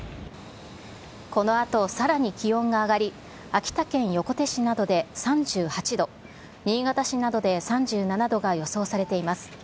このあと、さらに気温が上がり、秋田県横手市などで３８度、新潟市などで３７度が予想されています。